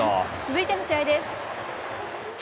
続いての試合です。